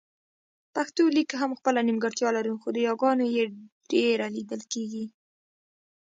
پښتو لیک هم خپله نيمګړتیا لري خو د یاګانو يې ډېره لیدل کېږي